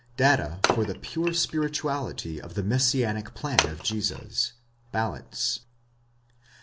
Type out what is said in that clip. DATA FOR THE PURE SPIRITUALITY OF THE MESSIANIC PLAN OF JESUS. BALANCE.